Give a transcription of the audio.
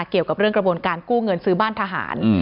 เกี่ยวกับเรื่องกระบวนการกู้เงินซื้อบ้านทหาร